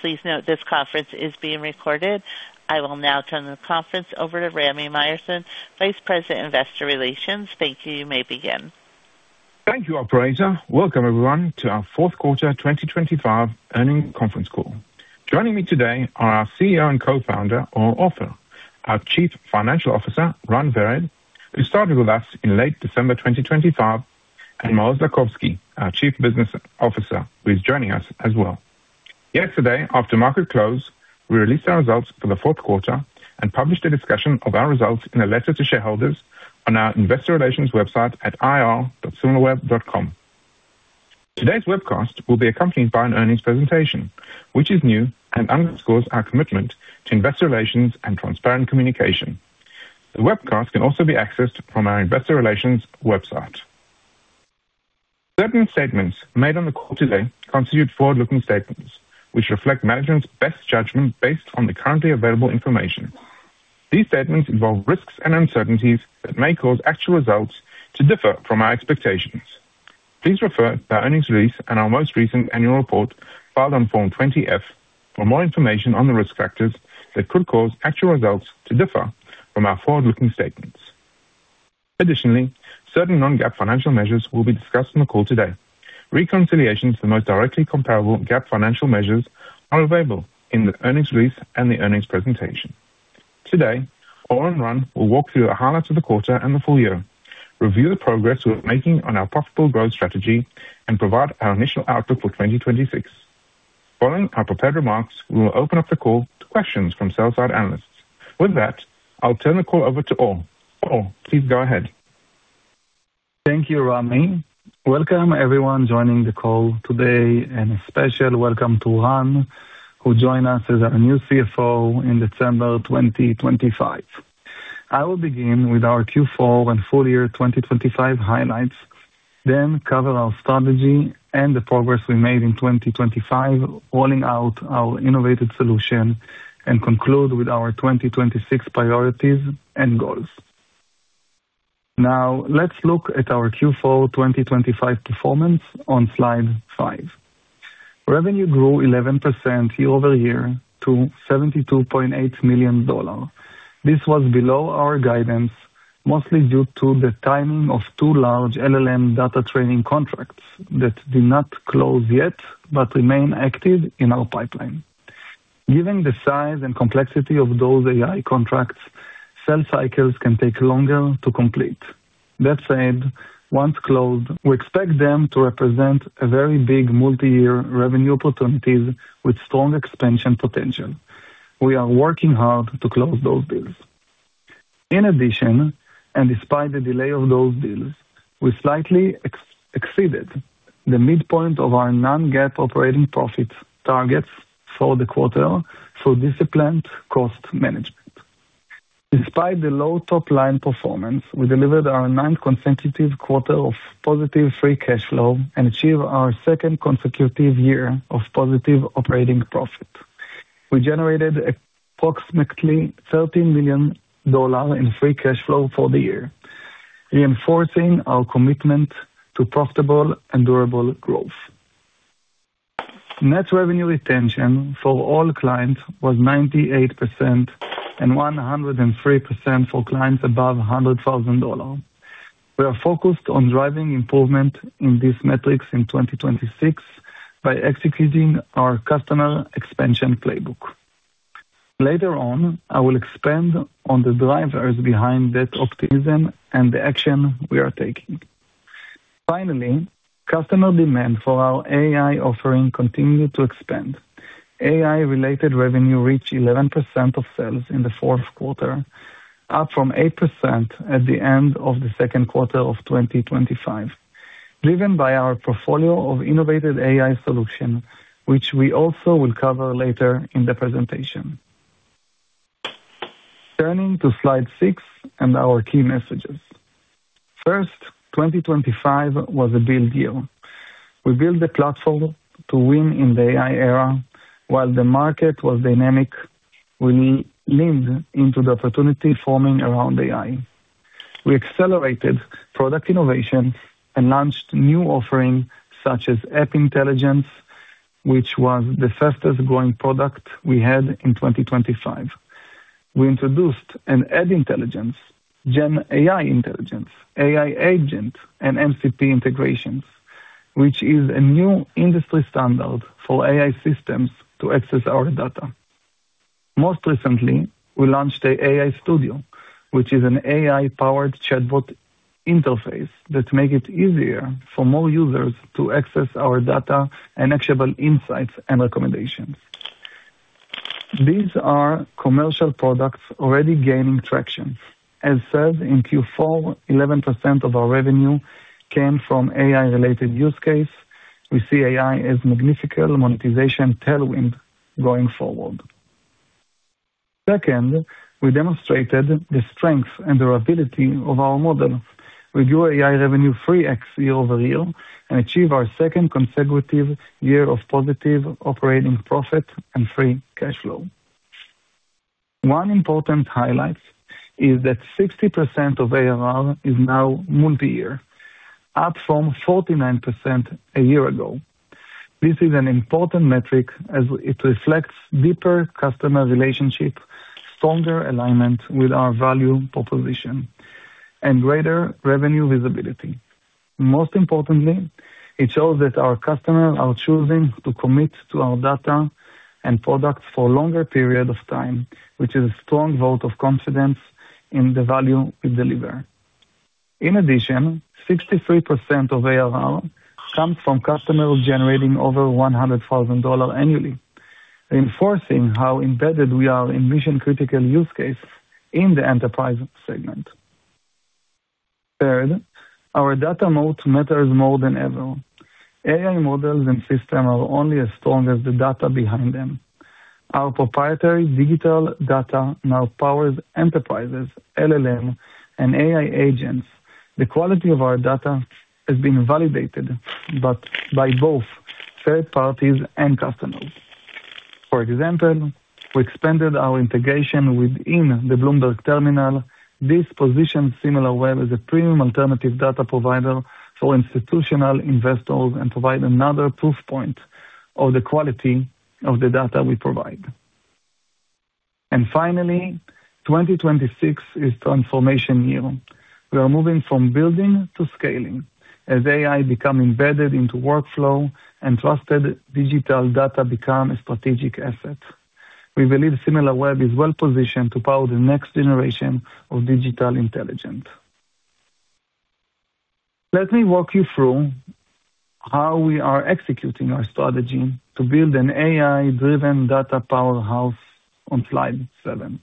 Please note this conference is being recorded. I will now turn the conference over to Rami Myerson, Vice President, Investor Relations. Thank you. You may begin. Thank you, operator. Welcome everyone to our fourth quarter, 2025 earnings conference call. Joining me today are our CEO and Co-Founder, Or Offer, our Chief Financial Officer, Ran Vered, who started with us in late December 2025, and Maoz Lakovski, our Chief Business Officer, who is joining us as well. Yesterday, after market close, we released our results for the fourth quarter and published a discussion of our results in a letter to shareholders on our investor relations website at ir.similarweb.com. Today's webcast will be accompanied by an earnings presentation, which is new and underscores our commitment to investor relations and transparent communication. The webcast can also be accessed from our investor relations website. Certain statements made on the call today constitute forward-looking statements, which reflect management's best judgment based on the currently available information. These statements involve risks and uncertainties that may cause actual results to differ from our expectations. Please refer to our earnings release and our most recent annual report filed on Form 20-F for more information on the risk factors that could cause actual results to differ from our forward-looking statements. Additionally, certain non-GAAP financial measures will be discussed on the call today. Reconciliation to the most directly comparable GAAP financial measures are available in the earnings release and the earnings presentation. Today, Or and Ran will walk through the highlights of the quarter and the full year, review the progress we're making on our profitable growth strategy, and provide our initial outlook for 2026. Following our prepared remarks, we will open up the call to questions from sell-side analysts. With that, I'll turn the call over to Or. Or, please go ahead. Thank you, Rami. Welcome everyone joining the call today, and a special welcome to Ran, who joined us as our new CFO in December 2025. I will begin with our Q4 and full year 2025 highlights, then cover our strategy and the progress we made in 2025, rolling out our innovative solution, and conclude with our 2026 priorities and goals. Now, let's look at our Q4 2025 performance on slide five. Revenue grew 11% year-over-year to $72.8 million. This was below our guidance, mostly due to the timing of two large LLM data training contracts that did not close yet, but remain active in our pipeline. Given the size and complexity of those AI contracts, sales cycles can take longer to complete. That said, once closed, we expect them to represent a very big multi-year revenue opportunities with strong expansion potential. We are working hard to close those deals. In addition, and despite the delay of those deals, we slightly exceeded the midpoint of our non-GAAP operating profit targets for the quarter through disciplined cost management. Despite the low top-line performance, we delivered our ninth consecutive quarter of positive free cash flow and achieved our second consecutive year of positive operating profit. We generated approximately $13 million in free cash flow for the year, reinforcing our commitment to profitable and durable growth. Net revenue retention for all clients was 98% and 103% for clients above $100,000. We are focused on driving improvement in these metrics in 2026 by executing our customer expansion playbook. Later on, I will expand on the drivers behind that optimism and the action we are taking. Finally, customer demand for our AI offering continued to expand. AI-related revenue reached 11% of sales in the fourth quarter, up from 8% at the end of the second quarter of 2025, driven by our portfolio of innovative AI solutions, which we also will cover later in the presentation. Turning to slide six and our key messages. First, 2025 was a build year. We built the platform to win in the AI era. While the market was dynamic, we leaned into the opportunity forming around AI. We accelerated product innovation and launched new offerings such as App Intelligence, which was the fastest growing product we had in 2025. We introduced Ad Intelligence, Gen AI Intelligence, AI Agent, and MCP integrations, which is a new industry standard for AI systems to access our data. Most recently, we launched the AI Studio, which is an AI-powered chatbot interface that makes it easier for more users to access our data and actionable insights and recommendations. These are commercial products already gaining traction. As said, in Q4, 11% of our revenue came from AI-related use cases. We see AI as a magnificent monetization tailwind going forward. Second, we demonstrated the strength and durability of our model with new AI revenue 3x year-over-year, and achieved our second consecutive year of positive operating profit and free cash flow. One important highlight is that 60% of ARR is now multi-year, up from 49% a year ago. This is an important metric as it reflects deeper customer relationship, stronger alignment with our value proposition, and greater revenue visibility. Most importantly, it shows that our customers are choosing to commit to our data and products for a longer period of time, which is a strong vote of confidence in the value we deliver. In addition, 63% of ARR comes from customers generating over $100,000 annually, reinforcing how embedded we are in mission-critical use case in the enterprise segment. Third, our data moat matters more than ever. AI models and systems are only as strong as the data behind them. Our proprietary digital data now powers enterprises, LLM, and AI Agents. The quality of our data has been validated, but by both third parties and customers. For example, we expanded our integration within the Bloomberg Terminal. This positions Similarweb as a premium alternative data provider for institutional investors and provide another proof point of the quality of the data we provide. And finally, 2026 is transformation year. We are moving from building to scaling as AI become embedded into workflow and trusted digital data become a strategic asset. We believe Similarweb is well positioned to power the next generation of digital intelligence. Let me walk you through how we are executing our strategy to build an AI-driven data powerhouse on slide seven.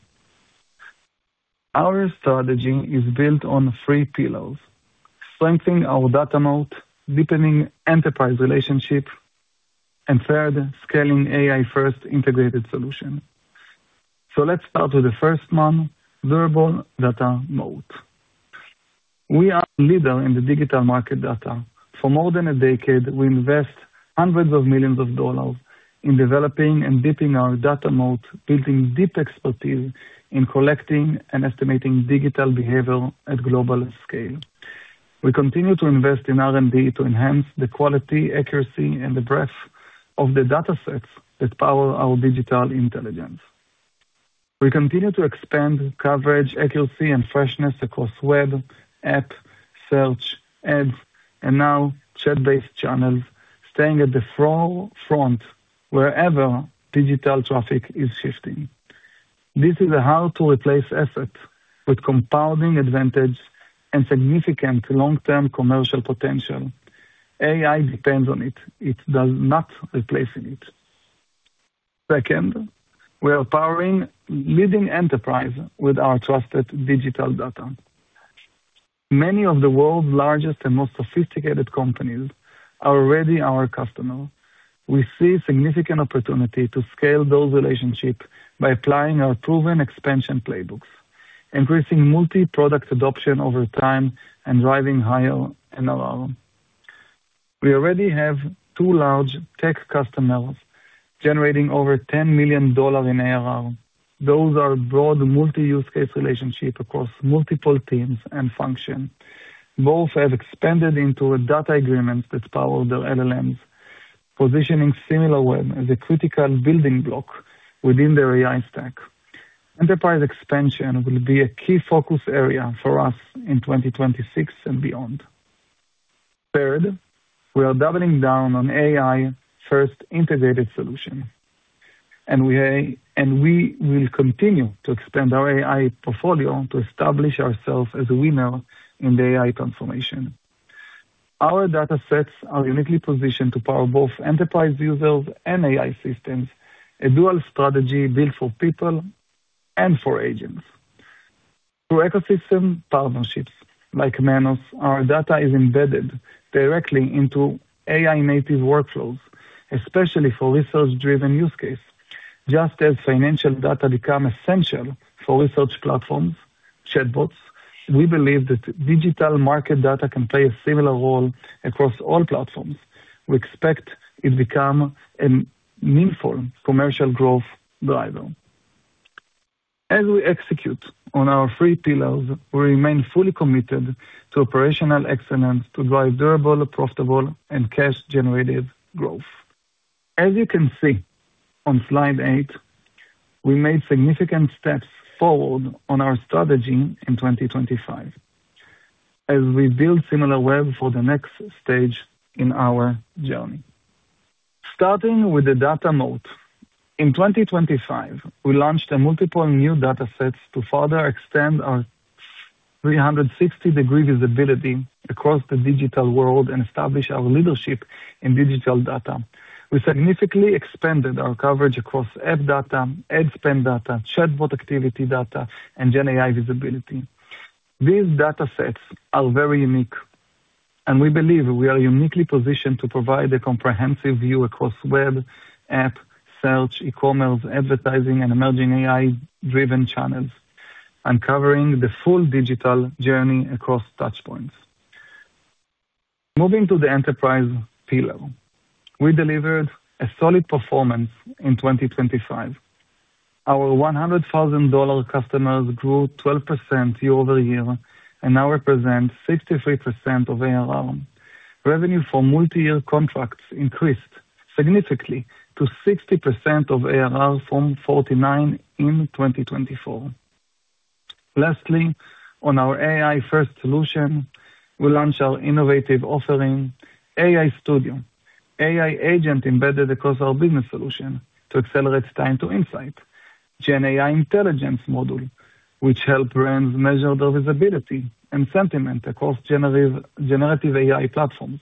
Our strategy is built on three pillars: strengthening our data moat, deepening enterprise relationship, and third, scaling AI-first integrated solution. So let's start with the first one, durable data moat. We are leader in the digital market data. For more than a decade, we invest hundreds of millions of dollars in developing and deepening our data moat, building deep expertise in collecting and estimating digital behavior at global scale. We continue to invest in R&D to enhance the quality, accuracy, and the breadth of the datasets that power our digital intelligence. We continue to expand coverage, accuracy, and freshness across web, app, search, ads, and now chat-based channels, staying at the forefront wherever digital traffic is shifting. This is a hard-to-replace asset with compounding advantage and significant long-term commercial potential. AI depends on it. It does not replace it. Second, we are powering leading enterprise with our trusted digital data. Many of the world's largest and most sophisticated companies are already our customers. We see significant opportunity to scale those relationships by applying our proven expansion playbooks, increasing multi-product adoption over time, and driving higher NRR. We already have two large tech customers generating over $10 million in ARR. Those are broad, multi-use case relationships across multiple teams and functions. Both have expanded into a data agreement that power their LLMs, positioning Similarweb as a critical building block within their AI stack. Enterprise expansion will be a key focus area for us in 2026 and beyond. Third, we are doubling down on AI-first integrated solution, and we will continue to expand our AI portfolio to establish ourselves as a winner in the AI transformation. Our datasets are uniquely positioned to power both enterprise users and AI systems, a dual strategy built for people and for agents. Through ecosystem partnerships like Manus, our data is embedded directly into AI-native workflows, especially for research-driven use cases. Just as financial data become essential for research platforms, chatbots, we believe that digital market data can play a similar role across all platforms. We expect it become a meaningful commercial growth driver. As we execute on our three pillars, we remain fully committed to operational excellence to drive durable, profitable, and cash-generative growth. As you can see on slide eight, we made significant steps forward on our strategy in 2025 as we build Similarweb for the next stage in our journey. Starting with the data moat. In 2025, we launched a multiple new datasets to further extend our 360-degree visibility across the digital world and establish our leadership in digital data. We significantly expanded our coverage across app data, ad spend data, chatbot activity data, and Gen AI visibility. These datasets are very unique, and we believe we are uniquely positioned to provide a comprehensive view across web, app, search, e-commerce, advertising, and emerging AI-driven channels, uncovering the full digital journey across touch points.... Moving to the Enterprise pillar. We delivered a solid performance in 2025. Our $100,000 customers grew 12% year-over-year and now represent 63% of ARR. Revenue for multi-year contracts increased significantly to 60% of ARR from 49% in 2024. Lastly, on our AI-first solution, we launched our innovative offering, AI Studio. AI agent embedded across our business solution to accelerate time to insight. Gen AI Intelligence module, which help brands measure their visibility and sentiment across generative, generative AI platforms,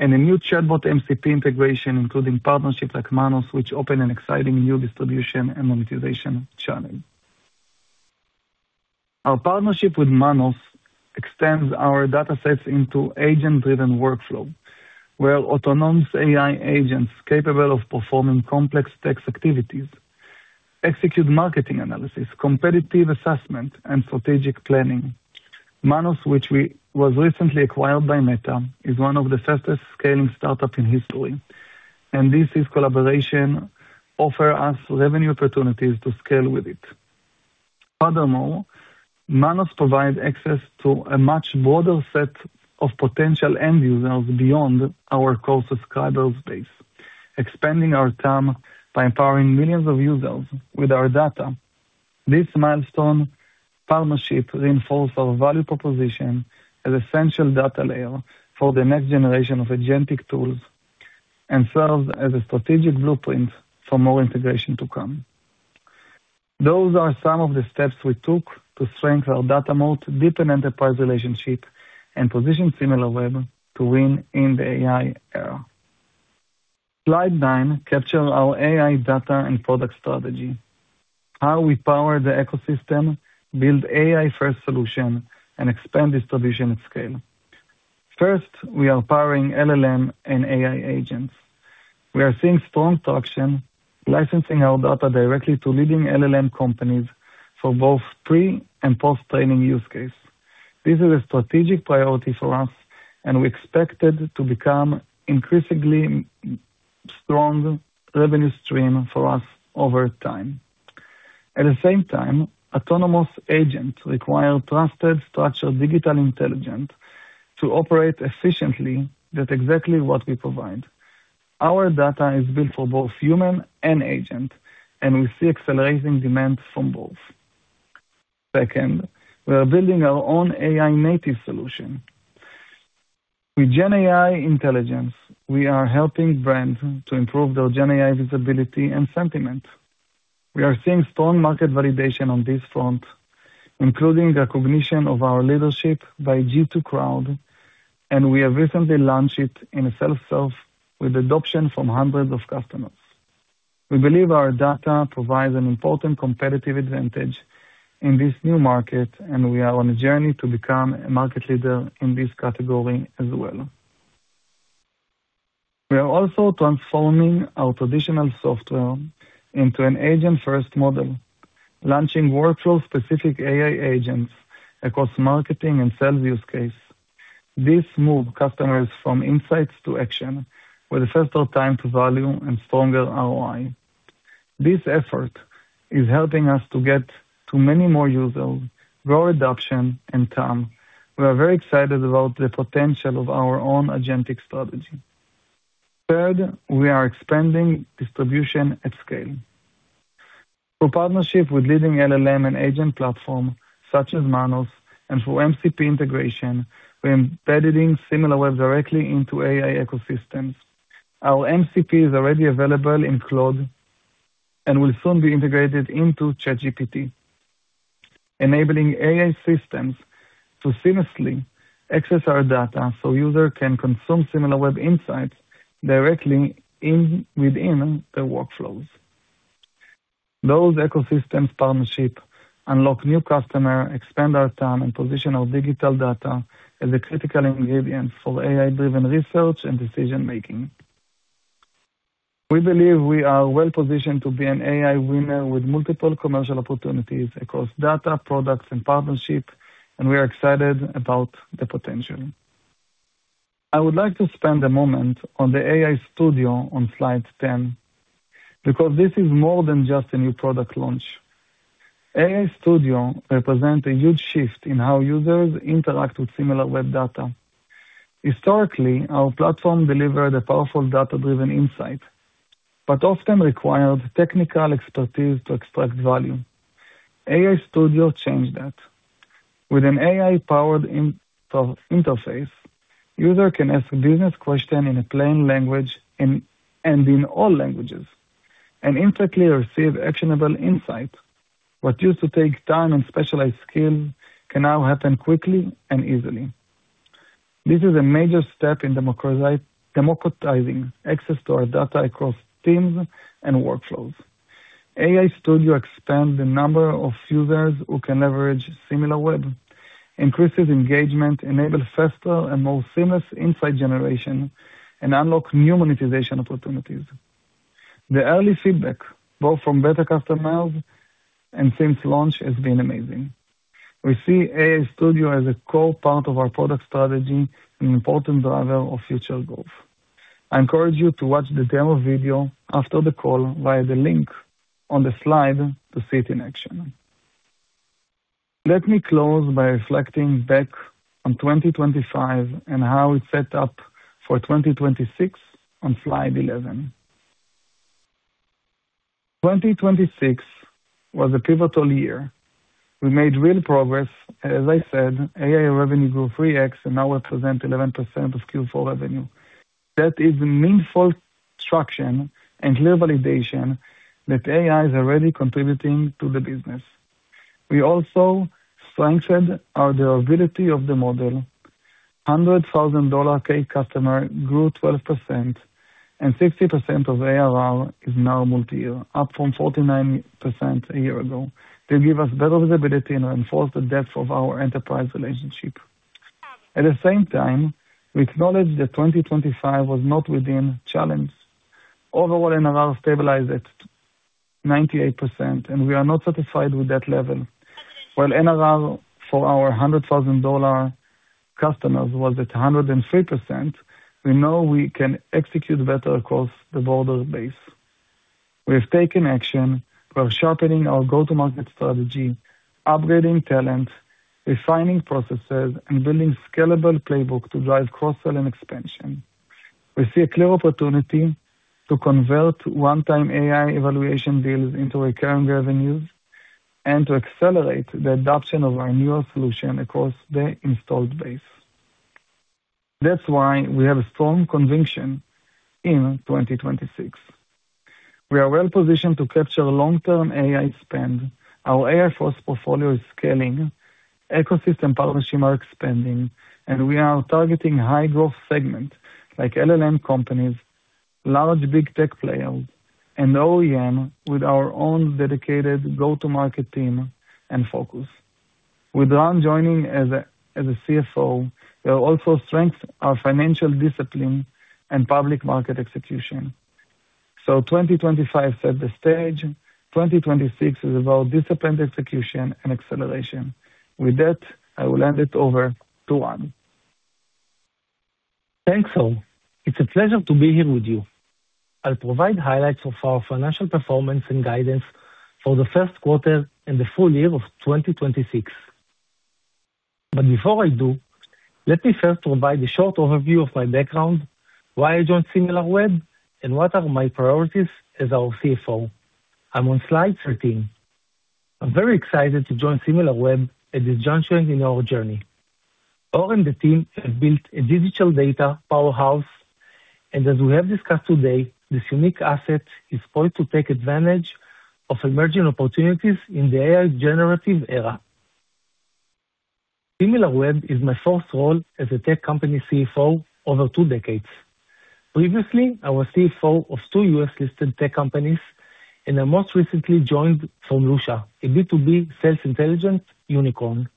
and a new chatbot MCP integration, including partnerships like Manus, which open an exciting new distribution and monetization channel. Our partnership with Manus extends our datasets into agent-driven workflow, where autonomous AI Agents capable of performing complex text activities execute marketing analysis, competitive assessment, and strategic planning. Manus, which was recently acquired by Meta, is one of the fastest-scaling startups in history, and this collaboration offers us revenue opportunities to scale with it. Furthermore, Manus provides access to a much broader set of potential end users beyond our core subscriber base, expanding our term by empowering millions of users with our data. This milestone partnership reinforces our value proposition as essential data layer for the next generation of agentic tools and serves as a strategic blueprint for more integration to come. Those are some of the steps we took to strengthen our data moat, deepen Enterprise relationship, and position Similarweb to win in the AI era. Slide nine captures our AI data and product strategy, how we power the ecosystem, build AI-first solutions, and expand distribution at scale. First, we are powering LLM and AI Agents. We are seeing strong traction, licensing our data directly to leading LLM companies for both pre- and post-training use cases. This is a strategic priority for us, and we expect it to become increasingly strong revenue stream for us over time. At the same time, autonomous agents require trusted, structured, digital intelligence to operate efficiently. That's exactly what we provide. Our data is built for both human and agent, and we see accelerating demand from both. Second, we are building our own AI-native solutions. With Gen AI Intelligence, we are helping brands to improve their Gen AI visibility and sentiment. We are seeing strong market validation on this front, including recognition of our leadership by G2 Crowd, and we have recently launched it in a self-serve with adoption from hundreds of customers. We believe our data provides an important competitive advantage in this new market, and we are on a journey to become a market leader in this category as well. We are also transforming our traditional software into an agent-first model, launching workflow-specific AI Agents across marketing and sales use case. This move customers from insights to action with faster time to value and stronger ROI. This effort is helping us to get to many more users, grow adoption, and TAM. We are very excited about the potential of our own agentic strategy. Third, we are expanding distribution at scale. Through partnership with leading LLM and agent platform such as Manus and through MCP integration, we are embedding Similarweb directly into AI ecosystems. Our MCP is already available in Claude and will soon be integrated into ChatGPT, enabling AI systems to seamlessly access our data, so user can consume Similarweb insights directly within their workflows. Those ecosystems partnership unlock new customer, expand our TAM, and position our digital data as a critical ingredient for AI-driven research and decision-making. We believe we are well positioned to be an AI winner with multiple commercial opportunities across data, products, and partnerships, and we are excited about the potential. I would like to spend a moment on the AI Studio on slide 10, because this is more than just a new product launch. AI Studio represents a huge shift in how users interact with Similarweb data. Historically, our platform delivered a powerful data-driven insight, but often required technical expertise to extract value. AI Studio changed that. With an AI-powered interface, users can ask a business question in plain language and in all languages and instantly receive actionable insights. What used to take time and specialized skill can now happen quickly and easily. This is a major step in democratizing access to our data across teams and workflows. AI Studio expand the number of users who can leverage Similarweb, increases engagement, enable faster and more seamless insight generation, and unlock new monetization opportunities. The early feedback, both from beta customers and since launch, has been amazing. We see AI Studio as a core part of our product strategy and an important driver of future growth. I encourage you to watch the demo video after the call via the link on the slide to see it in action. Let me close by reflecting back on 2025 and how it's set up for 2026 on slide 11. 2026 was a pivotal year. We made real progress. As I said, AI revenue grew 3x and now represent 11% of Q4 revenue. That is meaningful traction and clear validation that AI is already contributing to the business. We also strengthened our durability of the model. $100,000 customer grew 12% and 60% of ARR is now multi-year, up from 49% a year ago. They give us better visibility and enforce the depth of our enterprise relationship. At the same time, we acknowledge that 2025 was not without challenge. Overall, NRR stabilized at 98% and we are not satisfied with that level. While NRR for our $100,000 customers was at 103%, we know we can execute better across the broader base. We have taken action. We are sharpening our go-to-market strategy, upgrading talent, refining processes, and building scalable playbook to drive cross-sell and expansion. We see a clear opportunity to convert one-time AI evaluation deals into recurring revenues and to accelerate the adoption of our newer solution across the installed base. That's why we have a strong conviction in 2026. We are well positioned to capture long-term AI spend. Our AI force portfolio is scaling, ecosystem partnership are expanding, and we are targeting high growth segments like LLM companies, large big tech players, and OEM with our own dedicated go-to-market team and focus. With Ran joining as a CFO, we will also strengthen our financial discipline and public market execution. 2025 set the stage. 2026 is about disciplined execution and acceleration. With that, I will hand it over to Ran. Thanks, all. It's a pleasure to be here with you. I'll provide highlights of our financial performance and guidance for the first quarter and the full year of 2026. But before I do, let me first provide a short overview of my background, why I joined Similarweb, and what are my priorities as our CFO. I'm on slide 13. I'm very excited to join Similarweb at this juncture in our journey. Or and the team have built a digital data powerhouse, and as we have discussed today, this unique asset is poised to take advantage of emerging opportunities in the AI generative era. Similarweb is my fourth role as a tech company CFO over two decades. Previously, I was CFO of two U.S. listed tech companies, and I most recently joined from Lusha, a B2B sales intelligence unicorn.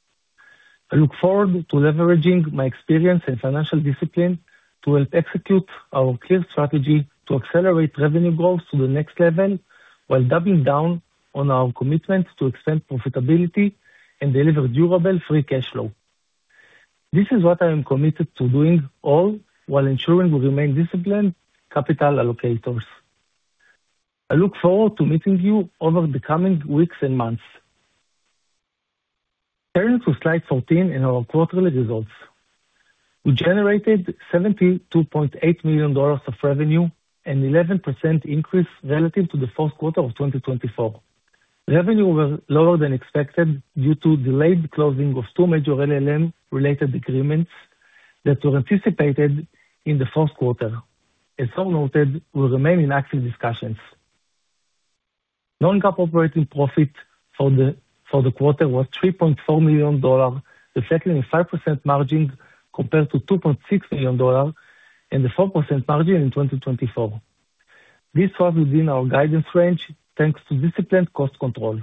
I look forward to leveraging my experience in financial discipline to help execute our clear strategy to accelerate revenue growth to the next level, while doubling down on our commitment to extend profitability and deliver durable free cash flow. This is what I am committed to doing, all while ensuring we remain disciplined capital allocators. I look forward to meeting you over the coming weeks and months. Turning to slide 13 and our quarterly results. We generated $72.8 million of revenue and 11% increase relative to the fourth quarter of 2024. Revenue was lower than expected due to delayed closing of two major LLM-related agreements that were anticipated in the fourth quarter. As Or noted, we remain in active discussions. Non-GAAP operating profit for the quarter was $3.4 million, reflecting a 5% margin compared to $2.6 million and a 4% margin in 2024. This was within our guidance range, thanks to disciplined cost control.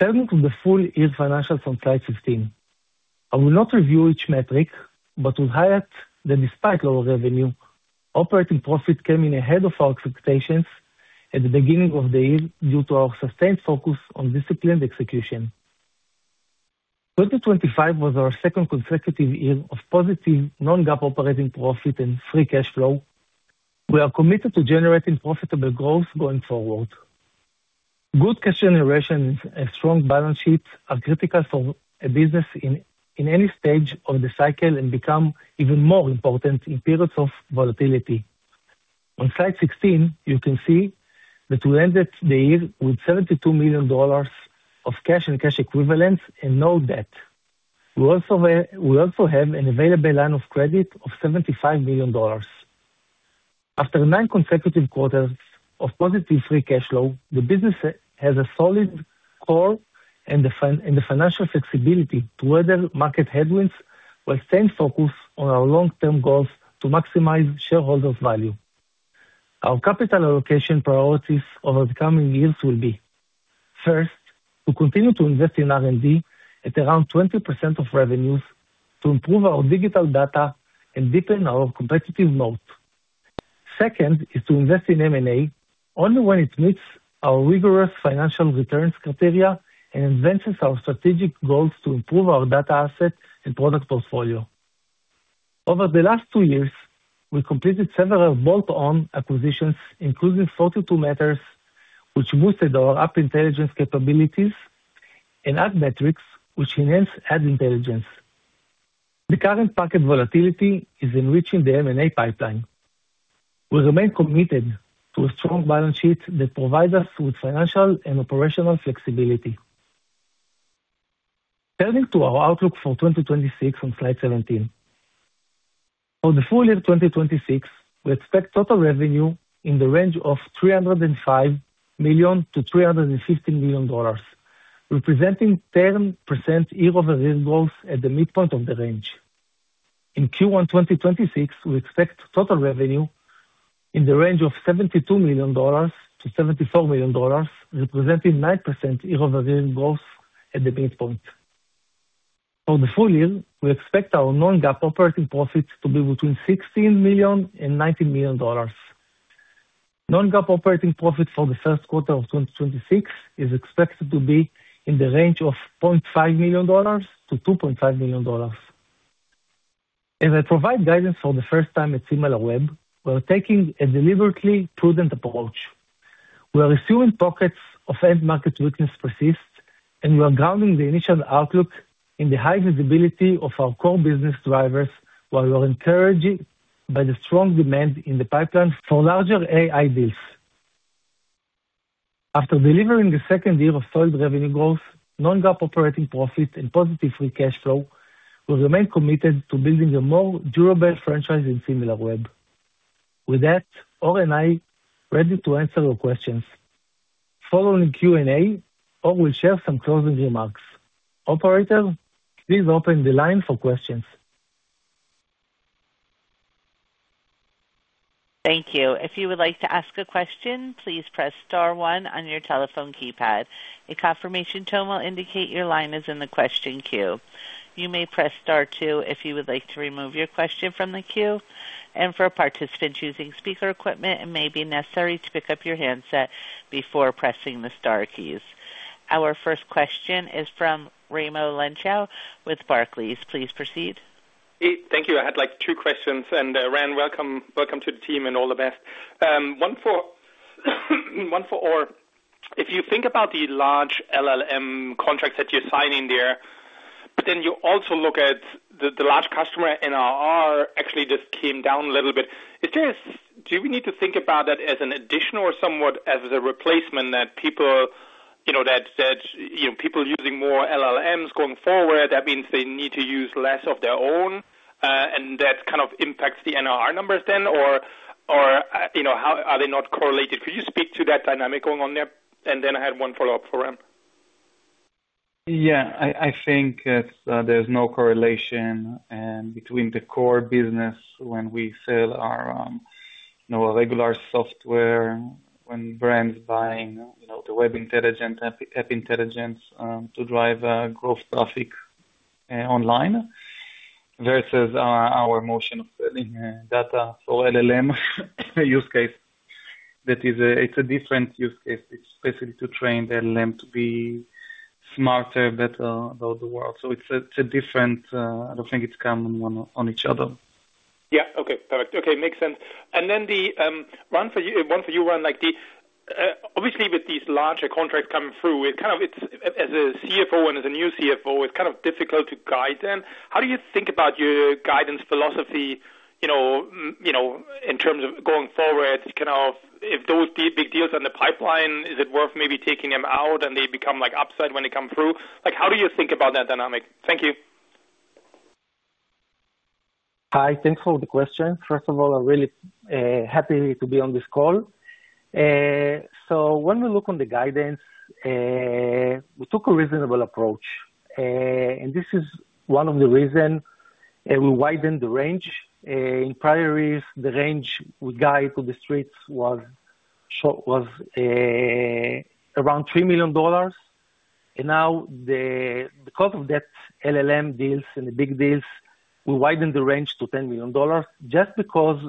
Turning to the full year financials on slide 15. I will not review each metric, but will highlight that despite lower revenue, operating profit came in ahead of our expectations at the beginning of the year due to our sustained focus on disciplined execution. 2025 was our second consecutive year of positive non-GAAP operating profit and free cash flow. We are committed to generating profitable growth going forward. Good cash generations and strong balance sheets are critical for a business in any stage of the cycle, and become even more important in periods of volatility. On slide 16, you can see that we ended the year with $72 million of cash and cash equivalents and no debt. We also have an available line of credit of $75 million. After nine consecutive quarters of positive free cash flow, the business has a solid core and the financial flexibility to weather market headwinds while staying focused on our long-term goals to maximize shareholders' value. Our capital allocation priorities over the coming years will be: First, we continue to invest in R&D at around 20% of revenues to improve our digital data and deepen our competitive moat. Second, is to invest in M&A only when it meets our rigorous financial returns criteria and advances our strategic goals to improve our data asset and product portfolio. Over the last two years, we completed several bolt-on acquisitions, including 42matters, which boosted our App Intelligence capabilities and Admetricks, which enhanced Ad Intelligence. The current market volatility is enriching the M&A pipeline. We remain committed to a strong balance sheet that provides us with financial and operational flexibility. Turning to our outlook for 2026 on slide 17. For the full year 2026, we expect total revenue in the range of $305 million-$350 million, representing 10% year-over-year growth at the midpoint of the range. In Q1 2026, we expect total revenue in the range of $72 million-$74 million, representing 9% year-over-year growth at the midpoint. For the full year, we expect our non-GAAP operating profits to be between $16 million and $19 million. Non-GAAP operating profit for the first quarter of 2026 is expected to be in the range of $0.5 million-$2.5 million. As I provide guidance for the first time at Similarweb, we're taking a deliberately prudent approach. We are assuming pockets of end market weakness persist, and we are grounding the initial outlook in the high visibility of our core business drivers, while we are encouraged by the strong demand in the pipeline for larger AI deals. After delivering a second year of solid revenue growth, non-GAAP operating profits and positive free cash flow, we remain committed to building a more durable franchise in Similarweb. With that, Or and I ready to answer your questions. Following Q&A, Or will share some closing remarks. Operator, please open the line for questions. Thank you. If you would like to ask a question, please press star one on your telephone keypad. A confirmation tone will indicate your line is in the question queue. You may press star two if you would like to remove your question from the queue, and for participants using speaker equipment, it may be necessary to pick up your handset before pressing the star keys. Our first question is from Raimo Lenschow with Barclays. Please proceed. Thank you. I had, like, two questions, and, Ran, welcome. Welcome to the team and all the best. One for Or. If you think about the large LLM contracts that you're signing there, but then you also look at the large customer NRR actually just came down a little bit. It is. Do we need to think about that as an addition or somewhat as a replacement that people, you know, that you know, people using more LLMs going forward, that means they need to use less of their own, and that kind of impacts the NRR numbers then, or, or, you know, how are they not correlated? Could you speak to that dynamic going on there? And then I had one follow-up for Ran. Yeah, I think it's, there's no correlation between the core business when we sell our, you know, regular software, when brands buying, you know, the Web Intelligence, App Intelligence, to drive growth traffic online versus our motion of selling data for LLM use case. That is a, it's a different use case. It's basically to train the LLM to be smarter, better about the world. So it's a, it's a different, I don't think it's common on each other. Yeah. Okay, perfect. Okay, makes sense. And then the one for you, one for you, Ran, like the obviously with these larger contracts coming through, it's kind of, it's, as a CFO and as a new CFO, it's kind of difficult to guide them. How do you think about your guidance philosophy, you know, you know, in terms of going forward, kind of if those big deals in the pipeline, is it worth maybe taking them out and they become like upside when they come through? Like, how do you think about that dynamic? Thank you. Hi, thanks for the question. First of all, I'm really happy to be on this call. So when we look on the guidance, we took a reasonable approach, and this is one of the reasons we widened the range. In priorities, the range we guide to the Streets was short, around $3 million, and now, because of that LLM deals and the big deals, we widened the range to $10 million just because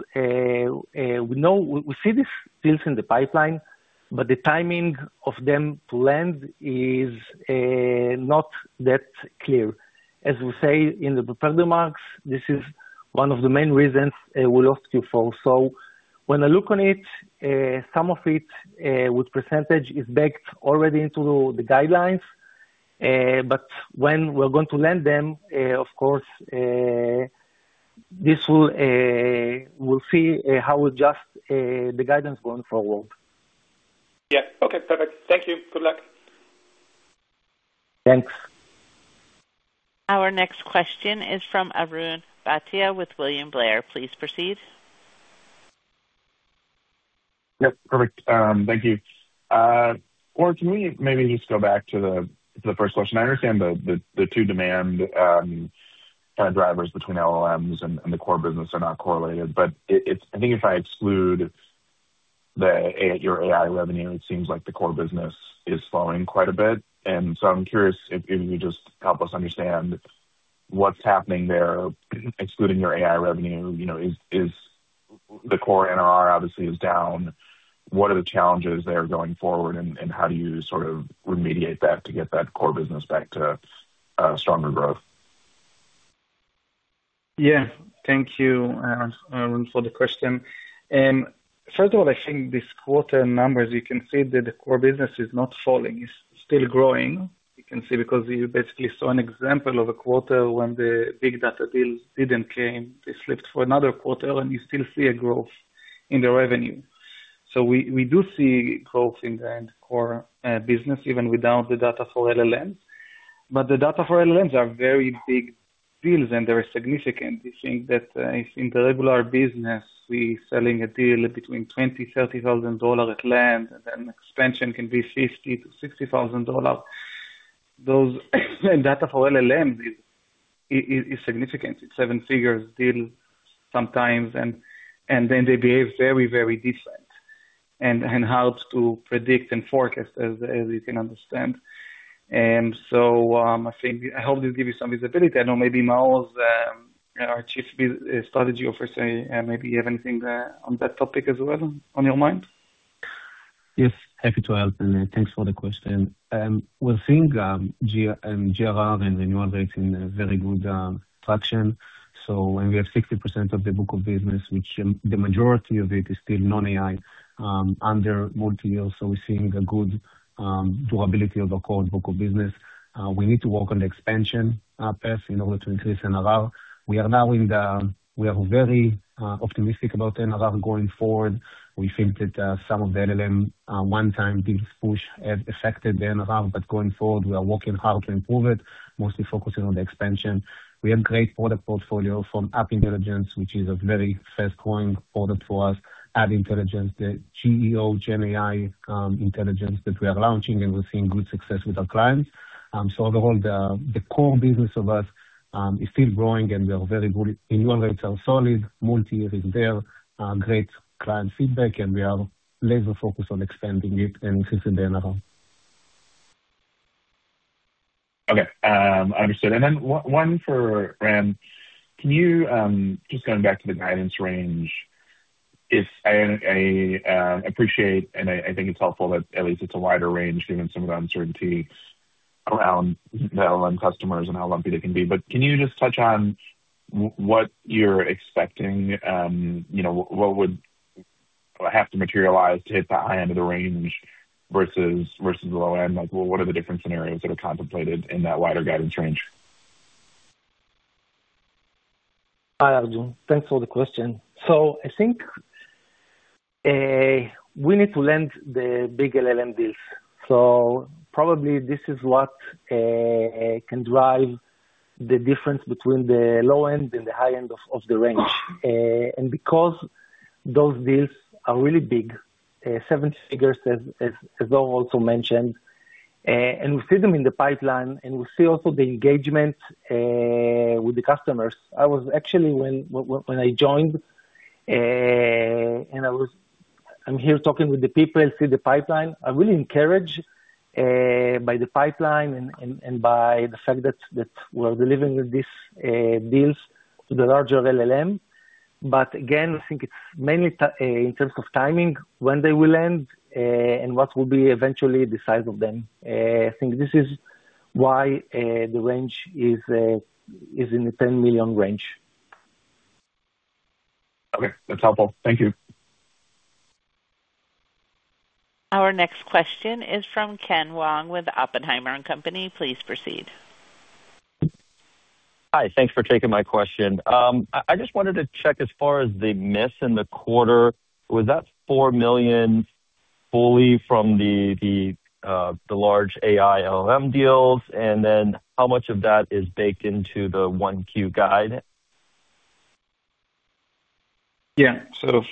we know... We see these deals in the pipeline, but the timing of them to land is not that clear. As we say in the prepared remarks, this is one of the main reasons we lost Q4. So when I look on it, some of it with percentage is baked already into the guidelines, but when we're going to land them, of course, this will, we'll see how we adjust the guidance going forward. Yeah. Okay, perfect. Thank you. Good luck. Thanks. Our next question is from Arjun Bhatia with William Blair. Please proceed. Yep, perfect. Thank you. Or, can we maybe just go back to the first question? I understand the two demand, kind of drivers between LLMs and the core business are not correlated. But it's—I think if I exclude the your AI revenue, it seems like the core business is slowing quite a bit. And so I'm curious if you just help us understand what's happening there, excluding your AI revenue, you know, is the core NRR obviously is down. What are the challenges there going forward, and how do you sort of remediate that to get that core business back to stronger growth? Yeah. Thank you for the question. First of all, I think this quarter numbers, you can see that the core business is not falling, it's still growing. You can see, because you basically saw an example of a quarter when the big data deal didn't came, they slipped for another quarter, and you still see a growth in the revenue. So we do see growth in the core business, even without the data for LLMs. But the data for LLMs are very big deals, and they are significant. We think that in the regular business, we selling a deal between $20,000-$30,000 at land, and then expansion can be $50,000-$60,000. Those data for LLMs is significant. It's seven figures deal sometimes, and then they behave very, very different, and hard to predict and forecast, as you can understand. So, I think I hope this give you some visibility. I know maybe Maoz, our Chief Business Officer, maybe you have anything on that topic as well, on your mind? Yes, happy to help, and thanks for the question. We're seeing GR and renewal rates in a very good traction. So when we have 60% of the book of business, which the majority of it is still non-AI, under multi-year, so we're seeing a good durability of our core book of business. We need to work on the expansion path in order to increase NRR. We are very optimistic about NRR going forward. We think that some of the LLM one-time deals push have affected the NRR, but going forward, we are working hard to improve it, mostly focusing on the expansion. We have great product portfolio from App Intelligence, which is a very fast growing product for us. Ad Intelligence, the GEO, Gen AI intelligence that we are launching, and we're seeing good success with our clients. So overall, the core business of us is still growing, and we are very good. Renewal rates are solid, multi-year is there, great client feedback, and we are laser focused on expanding it and increasing the NRR. Okay, understood. Then one for Ran. Can you-- Just going back to the guidance range, if I, I appreciate, and I, I think it's helpful that at least it's a wider range, given some of the uncertainty around the LLM customers and how lumpy they can be. But can you just touch on what you're expecting? You know, what would have to materialize to hit the high end of the range versus the low end? Like, what are the different scenarios that are contemplated in that wider guidance range? Hi, Arjun. Thanks for the question. I think we need to land the big LLM deals. Probably this is what can drive the difference between the low end and the high end of the range. And because those deals are really big, seven figures, as Maoz also mentioned, and we see them in the pipeline, and we see also the engagement with the customers. I was actually, when I joined, and I'm here talking with the people. I see the pipeline. I'm really encouraged by the pipeline and by the fact that we're delivering these deals to the larger LLM. But again, I think it's mainly in terms of timing, when they will end, and what will be eventually the size of them. I think this is why the range is in the $10 million range. Okay, that's helpful. Thank you. Our next question is from Ken Wong with Oppenheimer & Co. Please proceed. Hi, thanks for taking my question. I just wanted to check as far as the miss in the quarter, was that $4 million fully from the large AI LLM deals? And then how much of that is baked into the 1Q guide? Yeah. So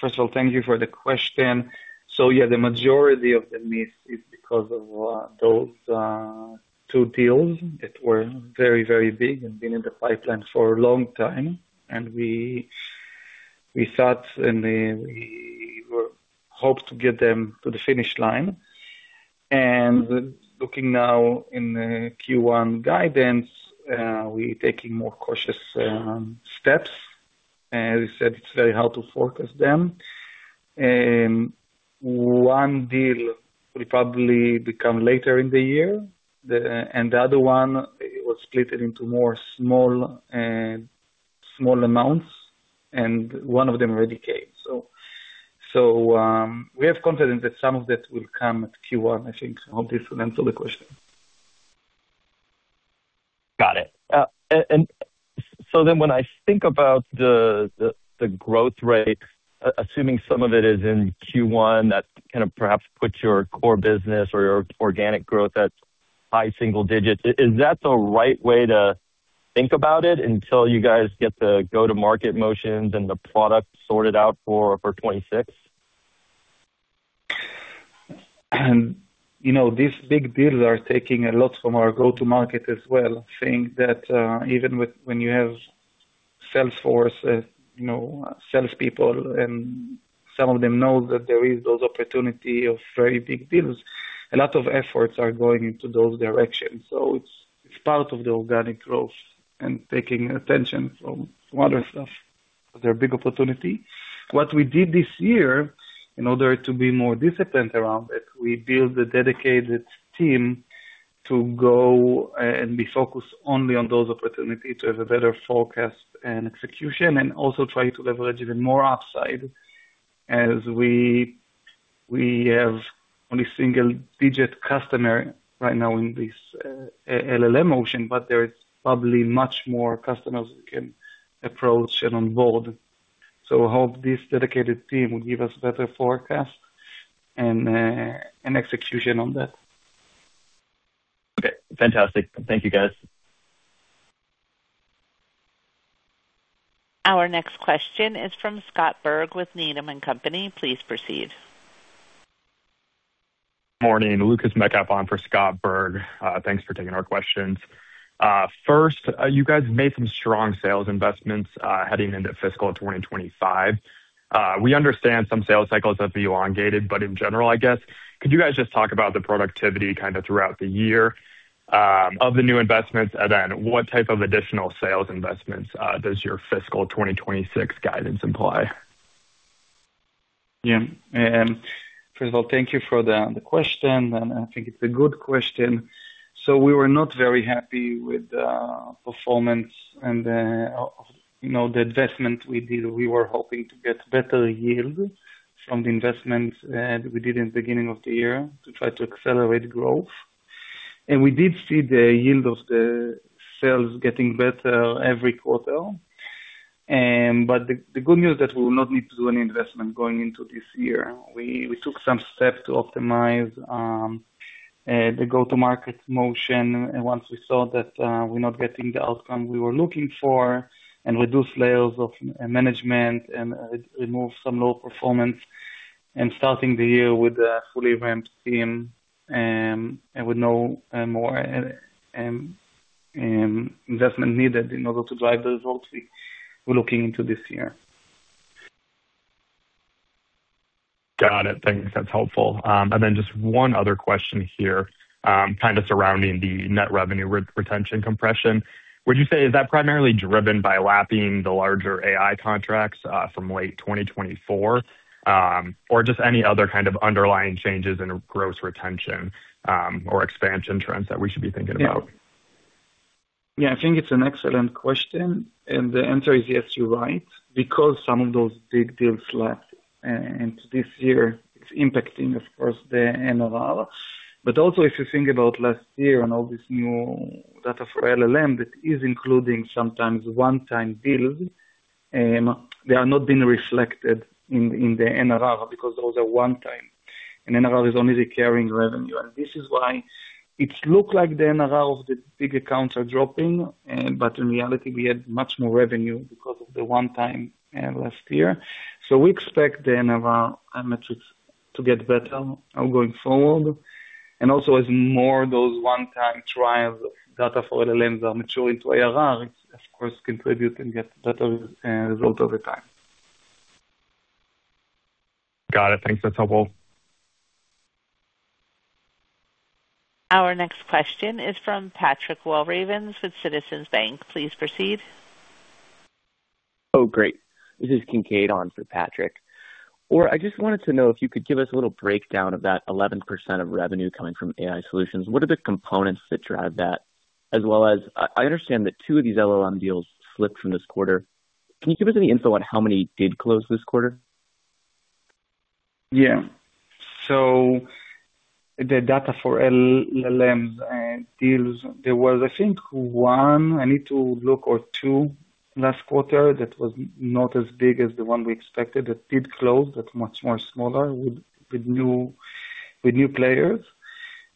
first of all, thank you for the question. So yeah, the majority of the miss is because of those two deals that were very, very big and been in the pipeline for a long time. And we thought, and we hoped to get them to the finish line. And looking now in the Q1 guidance, we taking more cautious steps. As I said, it's very hard to forecast them. One deal will probably become later in the year, and the other one was splitted into more small, small amounts, and one of them already came. So, we have confidence that some of that will come at Q1, I think. I hope this will answer the question. Got it. And so then when I think about the growth rate, assuming some of it is in Q1, that kind of perhaps puts your core business or your organic growth at high single digits. Is that the right way to think about it until you guys get the go-to-market motions and the product sorted out for 2026? And, you know, these big deals are taking a lot from our go-to-market as well, saying that, even when you have sales force, you know, salespeople, and some of them know that there is those opportunity of very big deals, a lot of efforts are going into those directions. So it's part of the organic growth and taking attention from other stuff. They're a big opportunity. What we did this year, in order to be more disciplined around it, we built a dedicated team to go and be focused only on those opportunities, to have a better forecast and execution, and also try to leverage even more upside as we have only single-digit customer right now in this LLM motion, but there is probably much more customers we can approach and onboard. I hope this dedicated team will give us better forecast and execution on that. Okay, fantastic. Thank you, guys. Our next question is from Scott Berg with Needham & Company. Please proceed. Morning, Lucas Metcalf on for Scott Berg. Thanks for taking our questions. First, you guys made some strong sales investments, heading into fiscal 2025. We understand some sales cycles have been elongated, but in general, I guess, could you guys just talk about the productivity kind of throughout the year, of the new investments? And then what type of additional sales investments, does your fiscal 2026 guidance imply? Yeah. First of all, thank you for the question, and I think it's a good question. So we were not very happy with the performance and, you know, the investment we did. We were hoping to get better yield from the investments we did in the beginning of the year to try to accelerate growth. We did see the yield of the sales getting better every quarter. But the good news is that we will not need to do any investment going into this year. We took some steps to optimize the go-to-market motion once we saw that we're not getting the outcome we were looking for, and reduce layers of management and remove some low performance, and starting the year with a fully ramped team, and with no more investment needed in order to drive the results we're looking into this year. Got it. Thanks. That's helpful. And then just one other question here, kind of surrounding the net revenue retention compression. Would you say, is that primarily driven by lapping the larger AI contracts, from late 2024? Or just any other kind of underlying changes in gross retention, or expansion trends that we should be thinking about? Yeah, I think it's an excellent question, and the answer is yes, you're right, because some of those big deals lapsed into this year. It's impacting, of course, the NRR. But also, if you think about last year and all this new data for LLM, that is including sometimes one-time deals, they are not being reflected in the NRR because those are one-time, and NRR is only the carrying revenue. And this is why it look like the NRR of the big accounts are dropping, but in reality, we had much more revenue because of the one-time last year. So we expect the NRR metrics to get better going forward, and also as more of those one-time trials data for LLMs are mature into ARR, it of course contribute and get better result over time. Got it. Thanks. That's helpful. Our next question is from Patrick Walravens with Citizens Bank. Please proceed. Oh, great. This is Kincaid on for Patrick. Or, I just wanted to know if you could give us a little breakdown of that 11% of revenue coming from AI solutions. What are the components that drive that? As well as, I understand that two of these LLM deals slipped from this quarter. Can you give us any info on how many did close this quarter? Yeah. So the data for LLMs deals, there was, I think, one, I need to look, or two last quarter that was not as big as the one we expected, that did close, but much more smaller, with new players.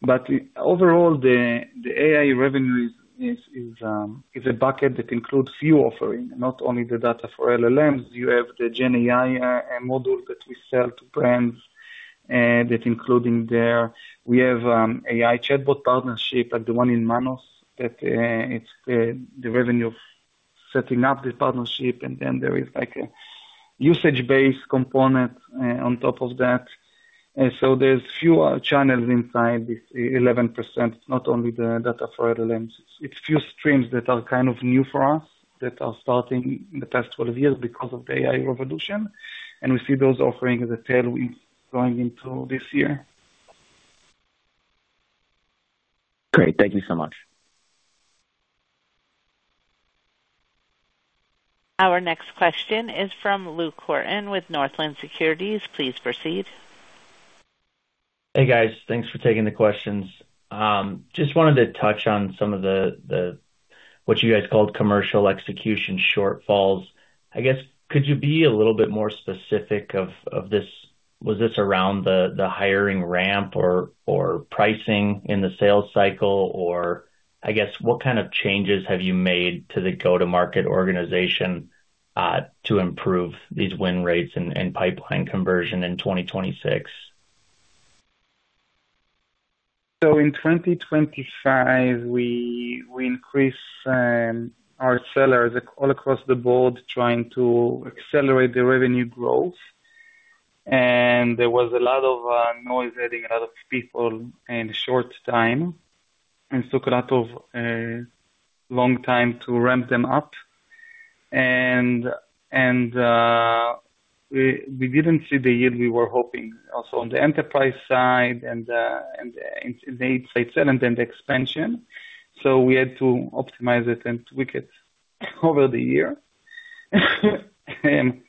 But overall, the AI revenue is a bucket that includes few offerings, not only the data for LLMs. You have the Gen AI model that we sell to brands, that's including there. We have AI chatbot partnership, like the one in Manus, that's the revenue of setting up this partnership, and then there is, like, a usage-based component on top of that. So there's fewer channels inside this 11%, not only the data for LLMs. It's a few streams that are kind of new for us, that are starting in the past couple of years because of the AI revolution, and we see those offerings as tailwind going into this year. Great. Thank you so much. Our next question is from Luke Horton with Northland Securities. Please proceed. Hey, guys. Thanks for taking the questions. Just wanted to touch on some of the, what you guys called commercial execution shortfalls. I guess, could you be a little bit more specific of this? Was this around the hiring ramp or pricing in the sales cycle? Or, I guess, what kind of changes have you made to the go-to-market organization? To improve these win rates and pipeline conversion in 2026? So in 2025, we increased our sellers all across the board trying to accelerate the revenue growth. And there was a lot of noise, adding a lot of people in a short time, and took a lot of long time to ramp them up. And we didn't see the yield we were hoping also on the enterprise side and the insight selling and the expansion. So we had to optimize it and tweak it over the year. And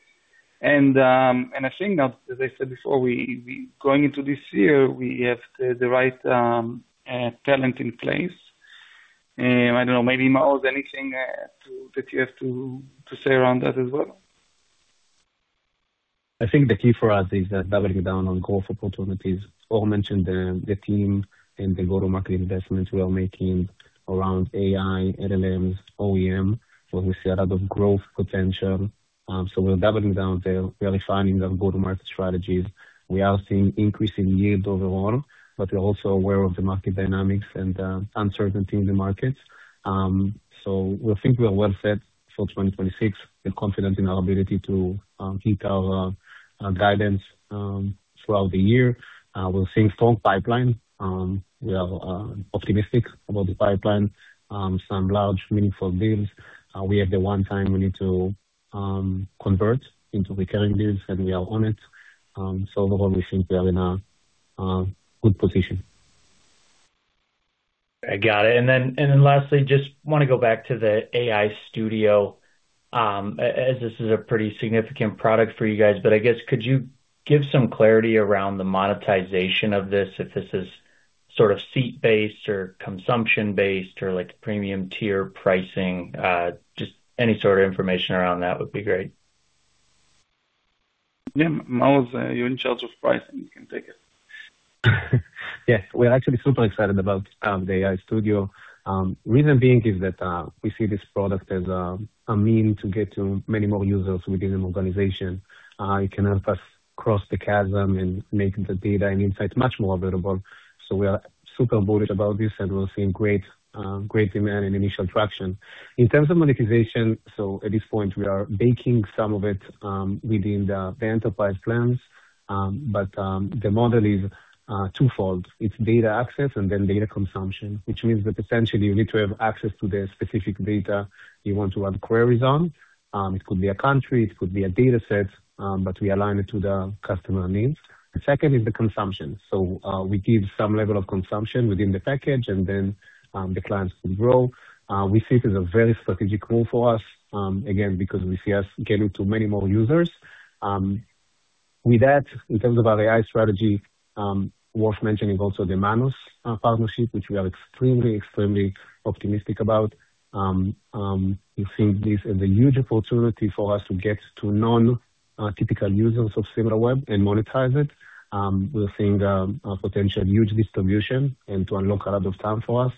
I think that, as I said before, we going into this year, we have the right talent in place. I don't know, maybe, Maoz, anything to that you have to say around that as well? I think the key for us is that doubling down on growth opportunities. Or mentioned the team and the go-to-market investments we are making around AI, LLMs, OEM, where we see a lot of growth potential. So we're doubling down there. We are refining the go-to-market strategies. We are seeing increasing yield overall, but we're also aware of the market dynamics and uncertainty in the markets. So we think we are well set for 2026. We're confident in our ability to hit our guidance throughout the year. We're seeing strong pipeline. We are optimistic about the pipeline. Some large meaningful deals. We have the one time we need to convert into recurring deals, and we are on it. So overall, we think we are in a good position. I got it. And then, and then lastly, just wanna go back to the AI Studio, as this is a pretty significant product for you guys, but I guess could you give some clarity around the monetization of this, if this is sort of seat-based or consumption-based or like premium tier pricing? Just any sort of information around that would be great. Yeah, Maoz, you're in charge of pricing. You can take it. Yes. We're actually super excited about the AI Studio. Reason being is that we see this product as a mean to get to many more users within an organization. It can help us cross the chasm and making the data and insights much more available. So we are super bullish about this, and we're seeing great great demand and initial traction. In terms of monetization, so at this point, we are baking some of it within the enterprise plans. But the model is twofold: It's data access and then data consumption, which means that essentially you need to have access to the specific data you want to run queries on. It could be a country, it could be a data set, but we align it to the customer needs. The second is the consumption. So, we give some level of consumption within the package, and then, the clients can grow. We see it as a very strategic move for us, again, because we see us getting to many more users. With that, in terms of our AI strategy, worth mentioning also the Manus partnership, which we are extremely, extremely optimistic about. We think this is a huge opportunity for us to get to non-typical users of Similarweb and monetize it. We're seeing a potential huge distribution and to unlock a lot of TAM for us.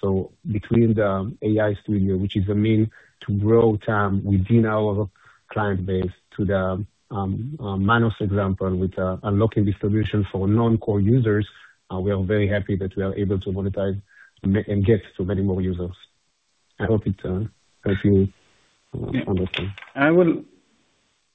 So between the AI Studio, which is a means to grow TAM within our client base, to the Manus example, with unlocking distribution for non-core users, we are very happy that we are able to monetize and get to many more users. I hope it helps you understand. I would,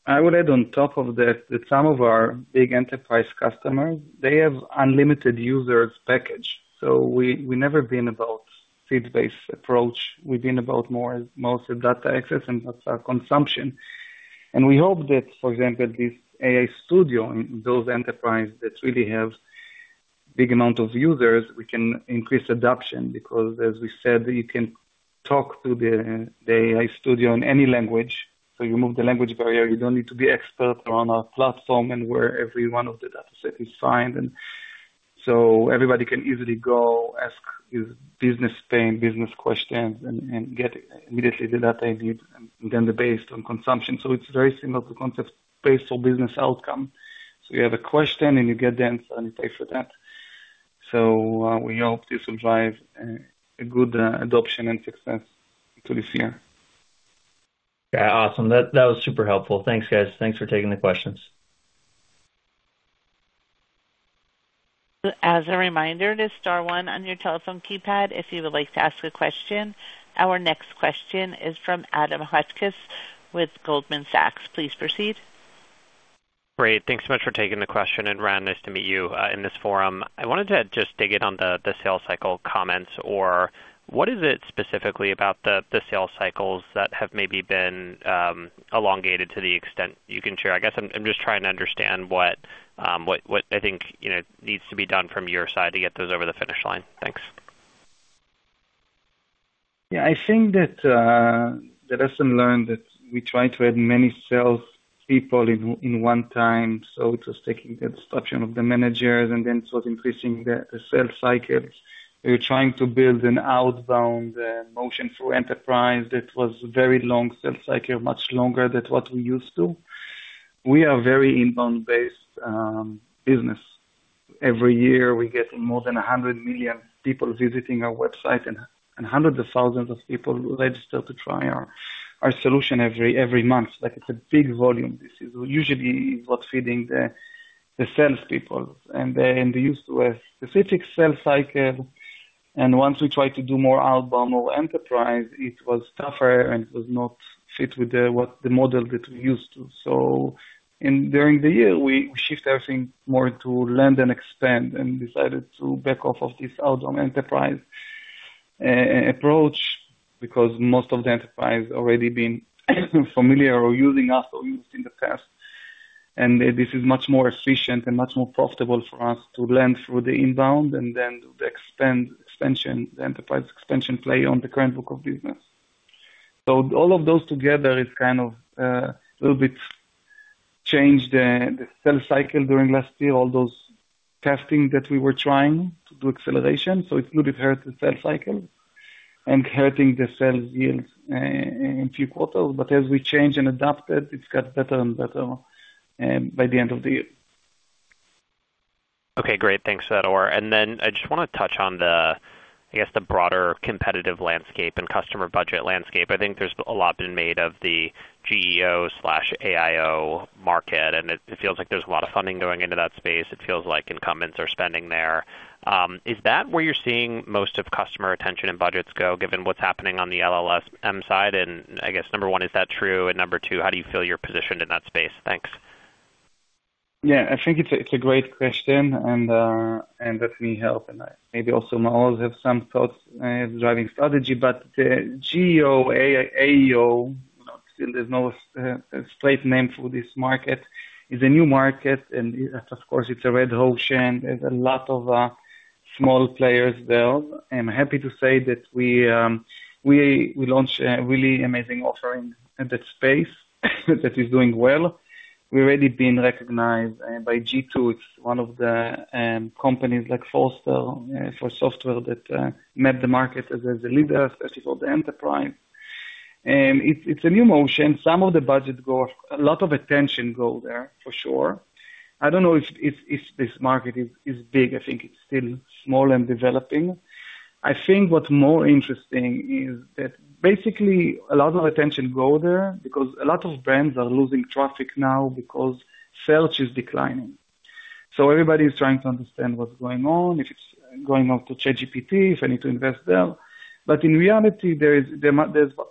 I would add on top of that, that some of our big enterprise customers, they have unlimited users package. So we, we've never been about seat-based approach. We've been about more, mostly data access and, consumption. And we hope that, for example, this AI Studio and those enterprise that really have big amount of users, we can increase adoption, because as we said, you can talk to the, the AI Studio in any language, so you remove the language barrier. You don't need to be expert on our platform and where every one of the dataset is signed. And so everybody can easily go ask his business pain, business questions, and get immediately the data you... And then based on consumption. So it's very similar to concept paid for business outcome. So you have a question, and you get the answer, and you pay for that. So, we hope this will drive a good adoption and success to this year. Yeah, awesome. That, that was super helpful. Thanks, guys. Thanks for taking the questions. As a reminder, it is star one on your telephone keypad if you would like to ask a question. Our next question is from Adam Hotchkiss with Goldman Sachs. Please proceed. Great. Thanks so much for taking the question, and Ran, nice to meet you, in this forum. I wanted to just dig in on the sales cycle comments, or what is it specifically about the sales cycles that have maybe been elongated to the extent you can share? I guess I'm just trying to understand what I think, you know, needs to be done from your side to get those over the finish line. Thanks. Yeah, I think that, the lesson learned, that we try to add many sales people in one time, so it was taking the disruption of the managers and then sort of increasing the sales cycles. We were trying to build an outbound motion through enterprise that was very long sales cycle, much longer than what we're used to.... We are very inbound-based business. Every year, we get more than 100 million people visiting our website, and hundreds of thousands of people register to try our solution every month. Like, it's a big volume. This is usually what's feeding the salespeople, and they're used to a specific sales cycle, and once we try to do more outbound, more enterprise, it was tougher, and it does not fit with the what the model that we're used to. So in, during the year, we shift everything more to land and expand, and decided to back off of this outbound enterprise approach, because most of the enterprise already been familiar or using us or used in the past. And this is much more efficient and much more profitable for us to land through the inbound and then the expansion, the enterprise expansion play on the current book of business. So all of those together is kind of a little bit change the sales cycle during last year, all those testing that we were trying to do acceleration, so it would hurt the sales cycle and hurting the sales yield in a few quarters. But as we change and adapted, it's got better and better by the end of the year. Okay, great. Thanks for that, Or. And then, I just wanna touch on the, I guess, the broader competitive landscape and customer budget landscape. I think there's a lot been made of the GEO/AEO market, and it, it feels like there's a lot of funding going into that space. It feels like incumbents are spending there. Is that where you're seeing most of customer attention and budgets go, given what's happening on the LLM side? And I guess, number one, is that true? And number two, how do you feel you're positioned in that space? Thanks. Yeah, I think it's a great question, and that may help, and maybe also Maoz have some thoughts driving strategy. But the GEO, AEO, still there's no straight name for this market, is a new market, and of course, it's a red ocean. There's a lot of small players there. I'm happy to say that we launched a really amazing offering in that space that is doing well. We've already been recognized by G2. It's one of the companies like Forrester for software that met the market as a leader, especially for the enterprise. And it's a new motion. Some of the budget go. A lot of attention go there, for sure. I don't know if this market is big. I think it's still small and developing. I think what's more interesting is that basically a lot of attention go there because a lot of brands are losing traffic now because search is declining. So everybody is trying to understand what's going on, if it's going off to ChatGPT, if I need to invest there. But in reality, there's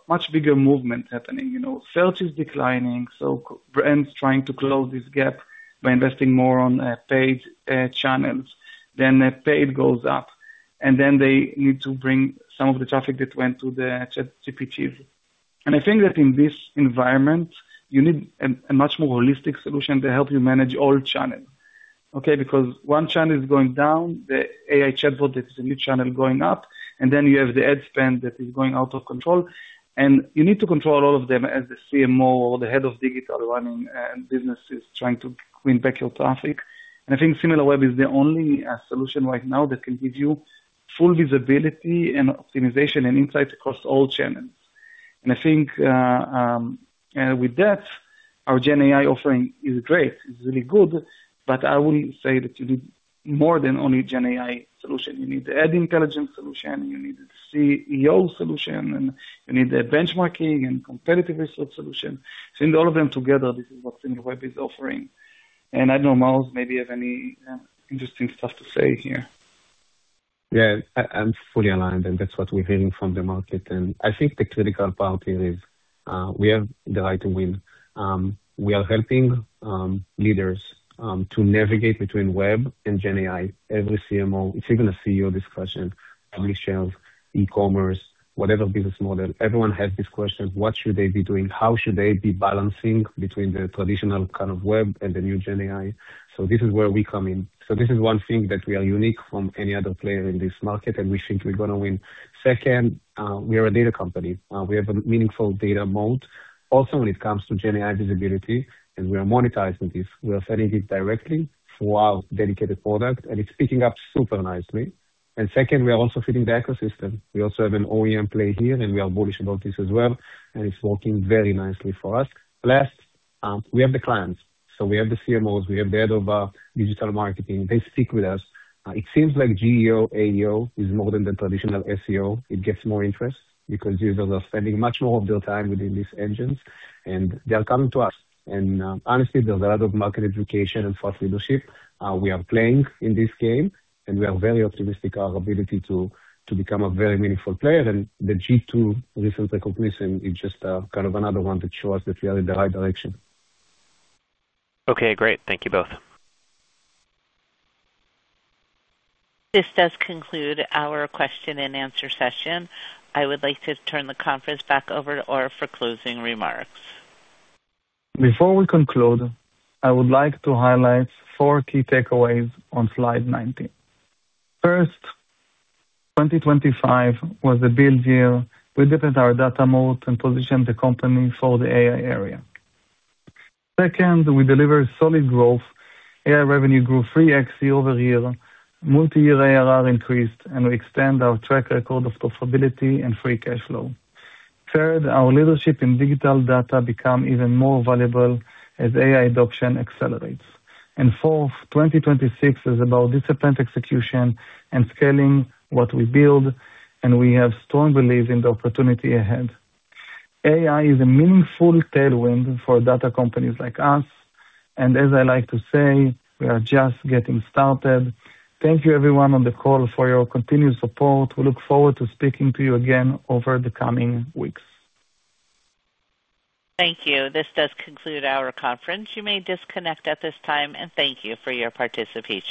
much bigger movement happening. You know, search is declining, so brands trying to close this gap by investing more on paid channels, then the paid goes up, and then they need to bring some of the traffic that went to the ChatGPT. And I think that in this environment, you need a much more holistic solution to help you manage all channels. Okay? Because one channel is going down, the AI chatbot, that is a new channel, going up, and then you have the ad spend that is going out of control, and you need to control all of them as the CMO or the head of digital running businesses, trying to win back your traffic. I think Similarweb is the only solution right now that can give you full visibility and optimization and insights across all channels. I think, with that, our Gen AI offering is great, it's really good, but I will say that you need more than only Gen AI solution. You need the Ad Intelligence solution, you need SEO solution, and you need the benchmarking and competitive research solution. So all of them together, this is what Similarweb is offering. I don't know, Maoz, maybe you have any interesting stuff to say here. Yeah, I'm fully aligned, and that's what we're hearing from the market, and I think the critical part is, we have the right to win. We are helping leaders to navigate between web and Gen AI. Every CMO, it's even a CEO discussion, on the shelves, e-commerce, whatever business model, everyone has this question: What should they be doing? How should they be balancing between the traditional kind of web and the new Gen AI? So this is where we come in. So this is one thing that we are unique from any other player in this market, and we think we're gonna win. Second, we are a data company. We have a meaningful data moat. Also, when it comes to Gen AI visibility, and we are monetizing this, we are selling it directly through our dedicated product, and it's picking up super nicely. And second, we are also fitting the ecosystem. We also have an OEM play here, and we are bullish about this as well, and it's working very nicely for us. Last, we have the clients. So we have the CMOs, we have the head of digital marketing. They stick with us. It seems like GEO, AEO, is more than the traditional SEO. It gets more interest because users are spending much more of their time within these engines, and they are coming to us. And, honestly, there's a lot of market education and thought leadership. We are playing in this game, and we are very optimistic our ability to become a very meaningful player, and the G2 recent recognition is just kind of another one to show us that we are in the right direction. Okay, great. Thank you both. This does conclude our question and answer session. I would like to turn the conference back over to Or for closing remarks. Before we conclude, I would like to highlight four key takeaways on slide 19. First, 2025 was a build year. We defend our data moat and position the company for the AI era. Second, we delivered solid growth. AI revenue grew 3x year-over-year, multi-year ARR increased, and we extend our track record of profitability and free cash flow. Third, our leadership in digital data become even more valuable as AI adoption accelerates. And fourth, 2026 is about disciplined execution and scaling what we build, and we have strong belief in the opportunity ahead. AI is a meaningful tailwind for data companies like us, and as I like to say, we are just getting started. Thank you, everyone, on the call for your continued support. We look forward to speaking to you again over the coming weeks. Thank you. This does conclude our conference. You may disconnect at this time, and thank you for your participation.